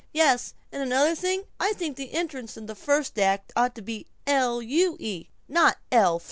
"Yes, and another thing, I think the entrance in the first act ought to be L. U. E., not L.